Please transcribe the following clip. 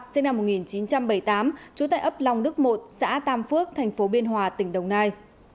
sinh năm một nghìn chín trăm bảy mươi tám trú tại ấp long đức một xã tam phước thành phố biên hòa tỉnh đồng nai